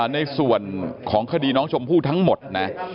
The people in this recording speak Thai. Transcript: ในส่วนของคดีน้องชมพู่ทั้งหมดนะ